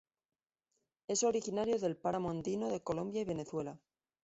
Es originario del páramo andino de Colombia y Venezuela.